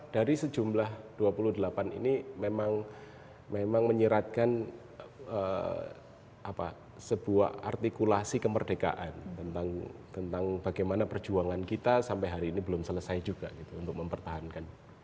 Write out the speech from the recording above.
dari sejumlah dua puluh delapan ini memang menyiratkan sebuah artikulasi kemerdekaan tentang bagaimana perjuangan kita sampai hari ini belum selesai juga untuk mempertahankan